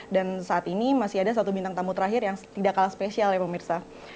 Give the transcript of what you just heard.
dan saat ini masih ada satu bintang tamu terakhir yang tidak kalah spesial ya pemirsa